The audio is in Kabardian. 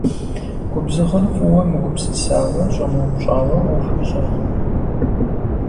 Губзыгъэр фӀыуэ мыгупсысауэ, щӀэмыупщӀауэ Ӏуэху ищӀэркъым.